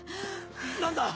何だ？